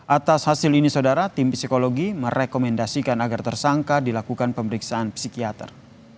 atas hasil ini saudara tim psikologi merekomendasikan agar tersangka dilakukan pemeriksaan psikiater